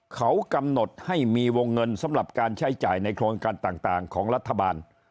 เขากำหนดให้มีวงเงินสำหรับการใช้จ่ายในโครงการต่างของรัฐบาล